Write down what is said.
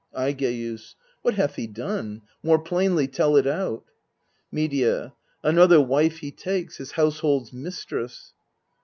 Aigeus. What hath he done? More plainly tell it out. Medea. Another wife he takes, his household's mis tress.